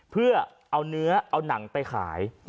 เพื่อเอาเนื้อเอาหนังไปขาย